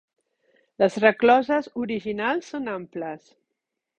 Les rescloses originals són amples.